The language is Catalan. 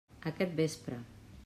Aquest vespre.